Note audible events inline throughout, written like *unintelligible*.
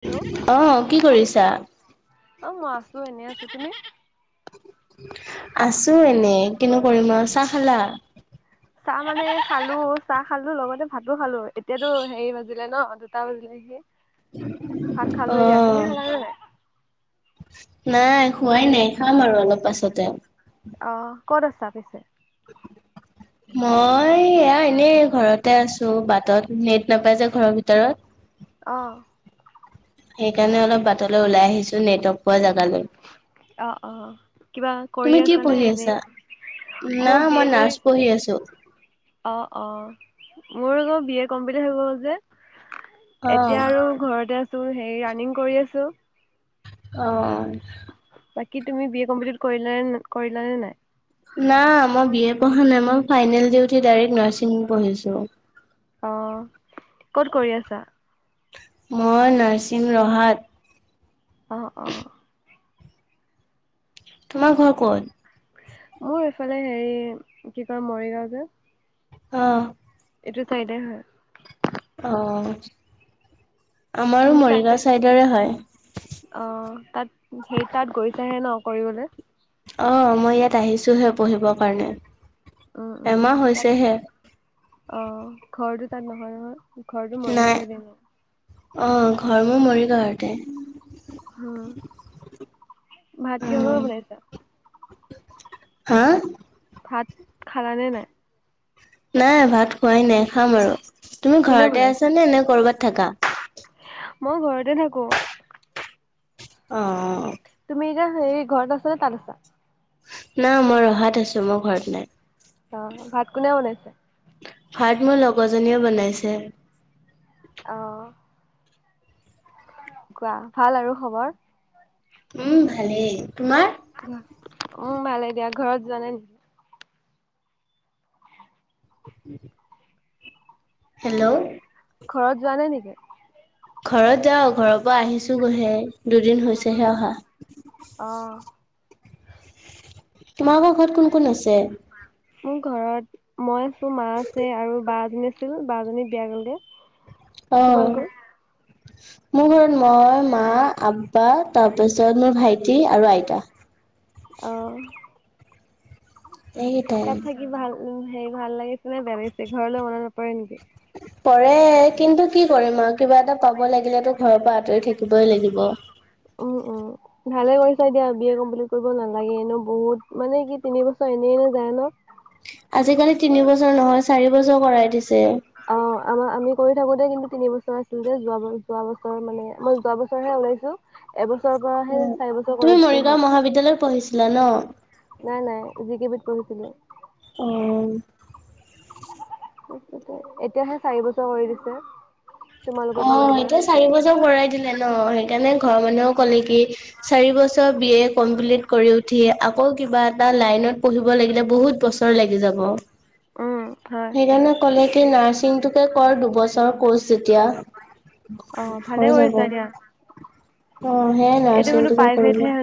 Hello কি অ কৰিছা? অ মই আছো এনেই আছো, তুমি? আছো এনেই কিনো কৰিম আৰু, চাহ খালা? চাহ মানে খালো চাহ খালো লগতে ভাতো খালো এতিয়াতো হেৰি বাজিলে ন দুটা বাজি *unintelligible* অ। খালানে নাই নাই খোৱাই নাই, খাম আৰু অলপ পাছতে। আহ, ক'ত আছা পিছে? মই এয়া এনেই ঘৰতে আছো বাটত নেট নাপাই যে ঘৰৰ ভিতৰত। অ। সেইকাৰণে অলপ বাটলৈ ওলাই আহিছো নেটৰ্ক পোৱা জগালৈ, অ অ কিবা কৰি তুমি কি আছানে পঢ়ি এনেই আছা? না মোৰ বি এ মই নাৰ্ছ পঢ়ি আছো। অ অ মোৰ আক বি এ কমপ্লিট হৈ গ'ল যে, এতিয়া অ', আৰু ঘৰতে আছো হে ৰানিং কৰি আছো। অঁ অ। বাকী তুমি বি এ কমপ্লিট কৰিলা কৰিলা নে নাই? না মই বি এ পঢ়া নাই মই ফাইনেল ডি উঠি ডাইৰেক্ট নাৰ্ছিং পঢ়িছো। অ', ক'ত কৰি আছা? মই নাৰ্চিং ৰহাত। অ', অ'। তোমাৰ ঘৰ ক'ত? মোৰ এইফালে হেৰি কি কয় মৰিগাঁও যে - অঁ',। এইটো চাইদে হয়। অ, তুমি আমাৰো তাতে মৰিগাঁও ছাইডৰে হয়। অ, তাত সেই তাত গৈছেহে ন কৰিবলে? অ মই ইয়াত আহিছোহে পঢ়িবৰ কাৰণে। উম উম এমাহ তাত হৈছেহে। অ ঘৰটো তাত নহয় নহয় ঘৰটো নাই মৰিগাঁও ছাইডে ন। অ' ঘৰ মোৰ মৰিগাঁওতে। হা, ভাত কিহৰ লগত অ', বনাইছা? হা? ভাত খালা নে নাই? নাই ভাত খোৱাই নাই খাম আৰু, তুমি কোনে ঘৰতে বনাইছে আছা নে, নে কৰ'বাত থাকা? মই ঘৰতে থাকো। অ', অ, অ তুমি এতিয়া হেৰি ঘৰত আছ নে তাত আছা? না মই ৰহাত আছো মই ঘৰত নাই। অ', ভাত কোনে বনাইছে? ভাত মোৰ লগৰজনীয়ে বনাইছে। অ',। কোৱা ভাল আৰু খবৰ? উম ভালেই, তোমাৰ? উম ভালে দিয়া ঘৰত জানে নেকি। *inaudible* হেল্ল। ঘৰত যোৱা নাই নেকি? ঘৰত যাওঁ ঘৰৰ পৰা আহিছোগৈহে দুদিন হৈছেহে অহা। অ। তোমালোকৰ ঘৰত কোন কোন আছে? মোৰ ঘৰত মই আছো মা আছে আৰু বা এজনী আছিল বা জনী বিয়া গলগে। অ। তোমালোকৰ? মোৰ ঘৰত মই, মা, আপা তাৰপিছত মোৰ ভাইটি আৰু আইতা। অ। এইকেটাই। কি ভাল উম হেৰি ভাল লাগিছে নে বেয়া লাগিছে ঘৰলৈ মনত নপৰে নেকি? পৰে কিন্তু কি কৰিম আৰু কিবা এটা পাব লাগিলেতো ঘৰৰ পৰা আঁতৰি থাকিবই লাগিব। উম উম। ভালে কৰিছা দিয়া বি এ কমপ্লিট কৰিব নালাগে এনেওঁ বহুত মানে কি তিন বছৰ এনেই যায় ন। আজিকালি তিনিবছৰ নহয় চাৰি বছৰ কৰাই দিছে। অ। আমাৰ আমি কৰি থাকোতে কিন্তু তিন বছৰ আছিল যে যোৱা ব যোৱা বছৰ মানে মই যোৱা বছৰহে ওলাইছো। এবছৰৰ পৰাহে উম। চাৰি বছৰ তুমি কৰি দিছে মৰিগাঁও হয়। মহাবিদ্যালয়ত পঢ়িছো। লা ন। নাই নাই জিতিভিত পঢ়িছিলো। অ। এতিয়াহে চাৰি বছৰ কৰি দিছে। তোমালোকৰ ফালৰ অ' পৰা। এতিয়া চাৰি বছৰ কৰাই দিলে ন, সেইকাৰণে ঘৰৰ মানুহেও ক'লে কি। চাৰি বছৰ বি এ কমপ্লিট কৰি উঠি আকৌ কিবা এটা লাইনত পঢ়িব লাগিলে বহুত। বছৰ লাগি যাব। উম হয় সেইকাৰণে ক'লে কি নাৰ্ছিঙটোকে কৰ দুবছৰ ক'ৰ্ছ অ যেতিয়া। ভালে হৈ যাব। কৰিছা দিয়া অ' সেয়াই নাৰ্চিং টোকে কৰিলোঁ।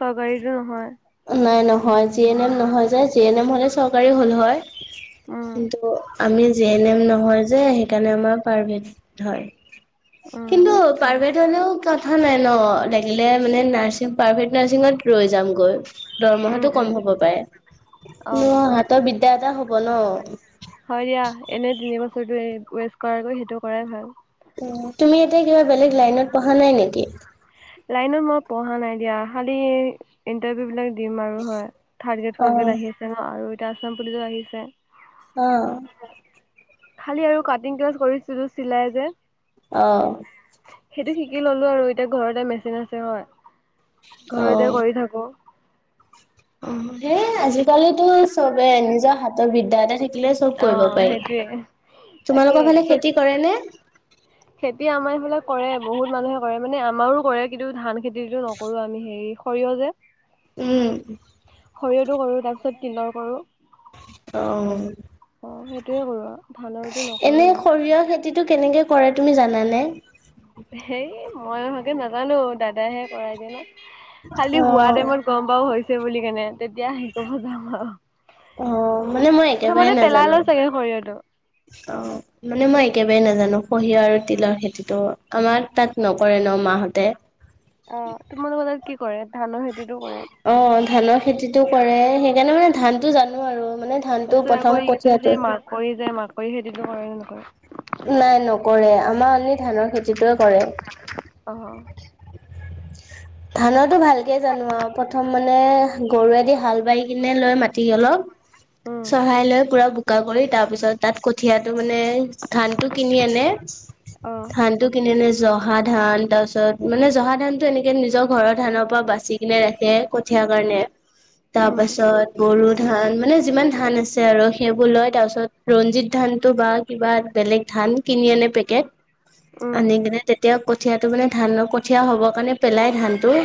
চৰকাৰী টো নহয়। নাই নহয় জি এন এম নহয় যে জি এন এম হ'লে চৰকাৰী হ'ল হয়, উম কিন্তু। আমি জে এন এম নহয় যে সেইকাৰণে আমাৰ প্ৰাইভেট হয়। উম কিন্তু গম প্ৰাইভেট হ'লেও। কথা নাই ন' লাগিলে মানে নাৰ্ছিং প্ৰাইভেট নাৰছিঙত ৰৈ যামগৈ। উম দৰমহাটো উম কম হ'ব পাৰে, অ কিন্তু হাতৰ বিদ্যা এটা হব ন'। হয় দিয়া। এনেই তিনি বছৰটো ৱেষ্ট কৰাকৈ সেইটো কৰাই ভাল। উম তুমি এতিয়া কিবা বেলেগ লাইনত পঢ়া নাই নেকি। লাইনত মই পঢ়া নাই দিয়া। খালি, ইণ্টাৰভিউ বিলাক দিম আৰু হয় থাৰড গ্ৰেড অ ফৰ্ গ্ৰেড আহি আছে। ন, আৰু এতিয়া আছাম পুলিচো আহিছে। অ'। খালি আৰু কাটিং ক্লাছ কৰিছিলো চিলাই যে। অ'। সেইটো শিকি ললোঁ আৰু এতিয়া ঘৰতে মেচিন আছে হয়। ঘৰতে অ', কৰি থাকো। অ' সেই আজিকালিতো চবেই নিজৰ হাতৰ বিদ্যা এটা থাকি, থাকিলে চব অ কৰিব পাৰি। সেইটোৱে তাকে তোমালোকৰ ফালে সেইটো খেতি কৰে নে, খেতি আমাৰ এইফালে কৰে বহুত মানুহে কৰে। মানে আমাৰো কৰে কিন্তু ধান খেতিটো নকৰে। কৰো আমি হেৰি সৰিয়হ যে, উম'। সৰিয়হটো কৰো তাৰ পিছত তিলৰ কৰোঁ। অ'। অ' সেইটোয়ে কৰো। আৰু ধানৰটো নকৰো এনে মানে সৰিয়হ খেতিটো কেনেকে কৰে তুমি জানানে‌? হে মই ভালকে নাজানোঁ দাদাহে কৰে এনেই খালি হোৱা অ', টাইমত গম, গম পাও হৈছে বুলি কেনে তেতিয়া আহি কব যাম আৰু। উ অ', মানে মই একেবাৰে প্ৰথমতে পেলাই নাজানো। লয় চাগে সৰিয়হটো। অ' মানে মই একেবাৰেই নাজানো সৰিয়হ আৰু তিলৰ খেতিটো আমাৰ তাত নকৰে ন মাহঁতে। অ' তোমালোকৰ তাত কি কৰে ধানৰ খেতিতো কৰে। অ' ধানৰ খেতিটো কৰে সেইকাৰণে মানে ধানটো জানো আৰু মানে। ধান টো প্ৰথম কঠিয়াতটো। কৰি যায়। মাকৰি খেতিটো কৰে নে নকৰে। নাই নকৰে আমাৰ আনি ধানৰ খেতিটোৱে কৰে। অ *unintelligible* ধানৰটো ভালকে জানো আৰু প্ৰথম মানে গৰুৱেদি হাল বাৰি কিনে লৈ মাটি অলপ। উম চহাই লৈ পুৰা বোকা কৰি তাৰ পিছত তাত কঠিয়াটো মানে, ধানটো কিনি আনে। অ' ধানটো, কিনে এনে জহা ধান তাৰ পিছত মানে জহা ধান টো এনেকে নিজৰ ঘৰৰ ধানৰ পৰা বাচি। তেনেকে ৰাখে কঠিয়াৰ কাৰণে। হয় *unintelligible* তাৰ পাছত। বড়ো ধান মানে যিমান ধান আছে আৰু সেইবোৰ লয় তাৰপিছত ৰঞ্জিত ধানটো বা কিবা। বেলেগ ধান কিনি আনে পেকেট উম আনি কিনে এতিয়া কঠীয়াটো মানে ধান কঠীয়া হ'বৰ কাৰণে পেলাই ধানটো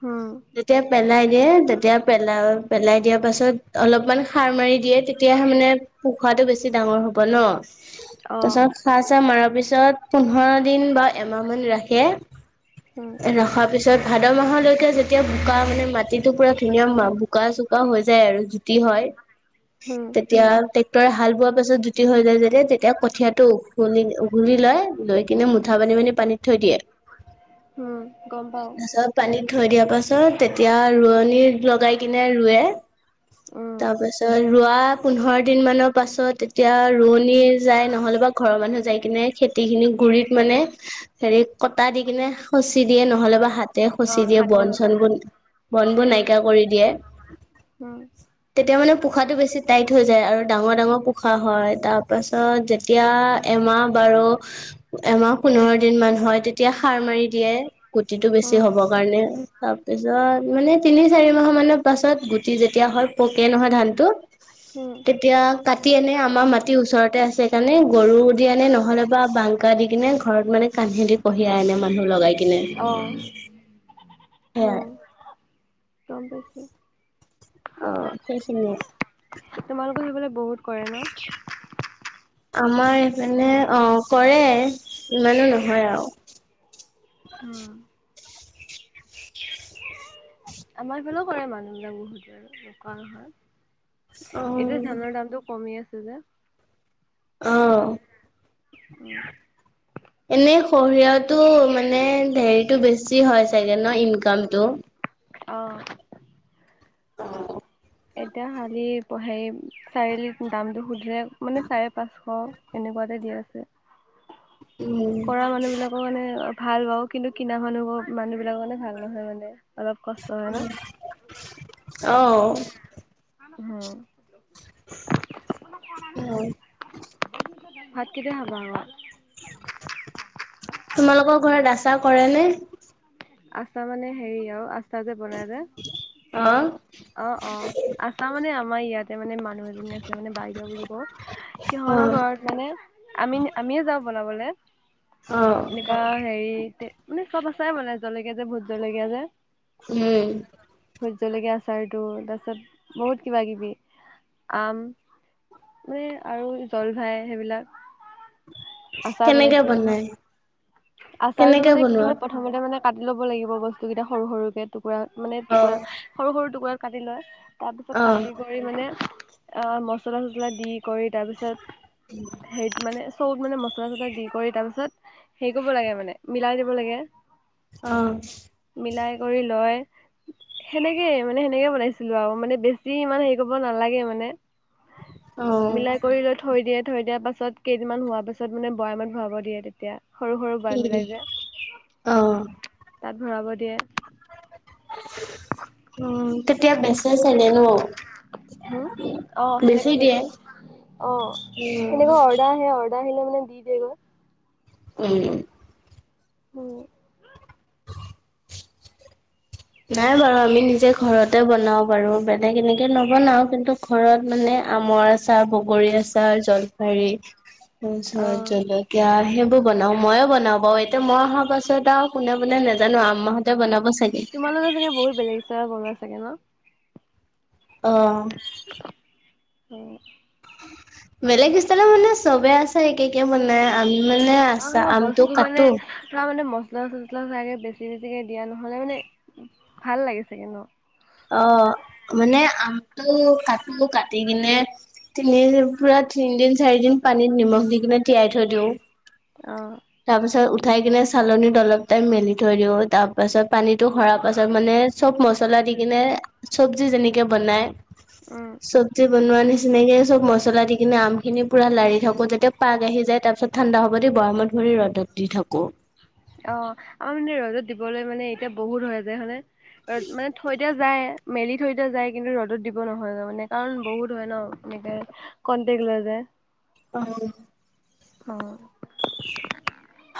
হুম যেতিয়া পেলাই দিয়ে তেতিয়া পেলাই পেলাই দিয়া পাছত অলপমান সাৰ মাৰি দিয়ে তেতিয়াহে মানে খোৱাটো বেছি ডাঙৰ হব ন অ' তাৰপিছত সাৰ চাহ মৰাৰ পিছত পোন্ধৰ দিন বা এমাহমান ৰাখে। অ ৰখাৰ পিছত ভাদ মাহলৈকে যেতিয়া বোকা মানে মাটিটো পূৰা ধুনীয়া হয়। বোকা চোকা হৈ যায় আৰু, কি হয় হুম তেতিয়া ট্ৰেক্টৰে হাল বোৱাৰ পাছত জুতি হৈ যায় যে। যেতিয়া কঠীয়া টো উু উঘৰি লয়। লৈ কিনে মুঠা পানি মানি পানীত থৈ দিয়ে। হুম গম তাৰ পাওঁ পাছত। পানীত থৈ দিয়া পাছত তেতিয়া ৰোৱনী লগাই কিনে ৰুৱে। উম তাৰ পাছত ৰোৱা পোন্ধৰ দিন মানৰ পাছত তেতিয়া ৰৱনি, যাই নহ'লে বা ঘৰৰ মানুহ যাই কিনে খেতি খিনি গুৰিত মানে হেৰি কটা দি কিনে সচি দিয়ে নহ'লে বা হাত তে খচি অ' দিয়ে হাতে বন সঁচাই চনবোন বনবোৰ উম নাইকীয়া কৰি দিয়ে হুম তেতিয়া মানে পোখাটো বেছি টাইট হৈ যায় আৰু ডাঙৰ ডাঙৰ পোখা হয় তা তাৰপাছত যেতিয়া এমাহ বাৰু এমাহ পোন্ধৰ দিন মান হয় তেতিয়া সাৰ মাৰি দিয়ে গুটিটো হুম বেছি হ'বৰ কাৰণে তাৰপিছত মানে তিনি চাৰি মাহ মানৰ পাছত গুটি যেতিয়া হয় পকে নহয় ধানটো উম তেতিয়া কাটি আনে আমাৰ মাত টি ওচৰতে আছে কাৰণে গৰু দি আনে নহ'লে বা বাংকা দি কিনে ঘৰত মানে কাণহেদি কঢ়িয়াই আনে মানুহ লগাই কিনে অ' সেয়াই কম বেছো অ সেইখিনিয়ে তোমালোকৰ সেইফালে বহুত কৰে ন আমাৰ এপেনে অ কৰে ইমানো নহয় আউ হুম আমাৰ এইফালেও কৰে মানুহ বিলাক বহুতে আৰু নকৰা নহয় অ এতিয়া ধানৰ দামটো কমি আছে যে অ উম এনেই সৰিয়হতো মানে হেৰিটো বেছি হয় চাগে ন ইনকামটো অ অ এতিয়া শালি প-হেই চাৰিআলিত দামটো সুধিলে মানে চাৰে পাঁচশ এনেকুৱাতে দিয়া আছে উম কৰা মানুহ বিলাকৰ মানে ভাল বাৰু কিন্তু কিনা মানুহবো মানুহ বিলাকৰ মানে ভাল নহয় মানে অলপ কষ্ট হয় ন অহ হুম ভাত কেতিয়া খাবা আক তোমালোকৰ ঘৰত আচা কৰে নে আচা মানে হেৰি আউ আচা যে বনাই যে অ অ অ আচা মানে আমাৰ ইয়াতে মানে মা মানুহ এজনী আছে মানে বাইদেউ বুলি কওঁ অ সিহঁৰ ঘৰত মানে আমি আমিয়ে যাওঁ বনাবলে অ অ হেৰি তে মানে চব আচায়ে বনাই জলকীয়া যে ভোট জলকীয়া যে উম ভোট জলকীয়া আচাৰটো তাৰপিছত বহুত কিবা কিবি আম মানে আৰু জলফাই সেইবিলাক আচাৰ কেনেকে বনাইছিলো বনাই নহয় আচাৰতো কেনেকে মানে কি হ'ল বনোৱা প্ৰ প্ৰথমতে মানে কাটি ল'ব লাগিব বস্তু গিটা সৰু সৰুকে টুকুৰা মানে অ টুকুৰা সৰু সৰু টুকুৰাত কাটি লয় তাৰ পিছত অ কাটি গ কৰি মানে অ মচলা চছলা দি কৰি তাৰপিছত উম হেৰিত মানে চবত মানে মছলা চছলা দি কৰি তাৰ পিছত হেই কৰিব লাগে মানে মিলাই দিব লাগে অ মিলাই কৰি লয় সেনেকে মানে সেনেকে বনাইছিলো আৰু। মানে বেছি মানে হেৰি কৰিব নালাগে মানে অ মিলাই কৰি লৈ থৈ দিয়ে, থৈ দিয়াৰ পাছত কেইদিনমান হোৱাৰ পাছত মানে বৰামত ভৰাব দিয়ে তেতিয়া। সৰু সৰু বাট উম মিলাই যে, অ তাত ভৰাব দিয়ে। উম তেতিয়া বেচে চাগে ন? হুম! অ বেছি সেনেকৈ দিয়ে বেচো, অ উম সেনেকুৱা অ সেয়া অৰ্ডাৰ আহিলে মানে দি দিয়ে গৈ। উম। উম। নাই বাৰু আমি নিজে ঘৰতে বনাও বাৰু, বেলেগ এনেকে নবনাও কিন্তু ঘৰত মানে আমৰ আচাৰ, বগৰী আচাৰ, জলফাই *inaudible* তাৰপিছত জলকীয়া হে এইবোৰ বনাও, ময়ে বনাওঁ বাৰু এতিয়া মই অহা পাছত আৰু কোনে বনাই নাজানো আম্মাহঁতে বনাব চাগে? তোমালোকে চাগে বহুত বেলেগ আচাৰ বনোৱা চাগে ন? অ। উম। *inaudible* বেলেগ ষ্টাইলত মানে চবে আচাৰ একে - একে বনাই, আমি মানে আছা আমটো কাটো চা মানে মছলা - চচলা চাগে বেছি বেছিকে দিয়া নহলে মানে ভাল লাগিছে কিন্তু। অ মানে আমটো কাটো কাটি কিনে তিনিদিন পুৰা তিনিদিন - চাৰিদিন পানীত নিমখ দি কিনে তিয়াই থৈ দিও। অঁ। তাৰ পাছত উঠাই কিনে চালনীত অলপ টাইম মেলি থৈ দিও তাৰ পাছত পানীটো সৰা পাছত মানে চব মছলা দি কিনে, চব্জি যেনেকে বনাই, উম চব্জি বনোৱা নিচ তেনেকে চব মছলা দি কিনে আমখিনি পুৰা লাৰি থাকোঁ যাতে পাগ আহি যায় তাৰপিছত ঠাণ্ডা হ'ব দি বৈয়ামত ভৰি ৰ'দত দি থাকোঁ। অহ, আমাৰ মানে ৰ'দত দিবলৈ মানে এতিয়া বহুত হয় যে হয়নে? অ মানে থৈ দিয়া যায় মেলি থৈ দিয়া যায় কিন্তু ৰ'দত দিব নহয় গৈ তাৰ মানে কাৰণ বহুত হয় ন এনেকে কন্টেক্ট লয় যে। অ হল। উম।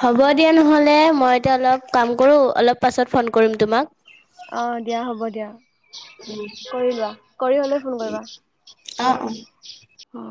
হ'ব দিয়া নহলে, মই এতিয়া অলপ কাম কৰো, অলপ পাছত ফোন কৰিম তোমাক। অ দিয়া হ'ব দিয়া, কৰি লোৱা কৰি হলে ফোন কৰিবা। অ অ। উম।